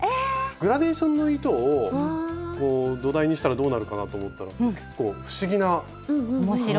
グラデーションの糸を土台にしたらどうなるかなと思ったら結構不思議な感じになったんです。